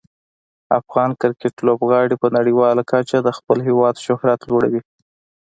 افغان کرکټ لوبغاړي په نړیواله کچه د خپل هیواد شهرت لوړوي.